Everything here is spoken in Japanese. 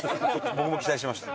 僕も期待してました。